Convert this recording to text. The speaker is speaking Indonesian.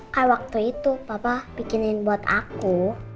kayak waktu itu papa bikinin buat aku